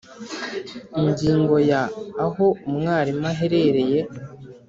Ingingo ya Aho umwarimu aherereye